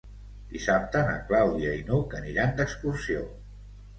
Dissabte na Clàudia i n'Hug aniran d'excursió.